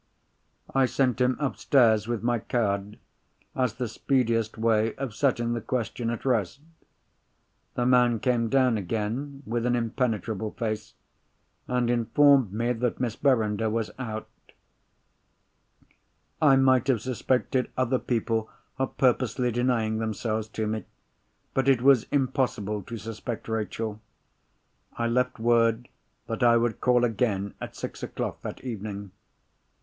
I sent him upstairs with my card, as the speediest way of setting the question at rest. The man came down again with an impenetrable face, and informed me that Miss Verinder was out. I might have suspected other people of purposely denying themselves to me. But it was impossible to suspect Rachel. I left word that I would call again at six o'clock that evening.